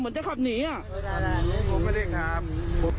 เหมือนจะขับหนีอ่ะเหมือนจะขับหนีอ่ะ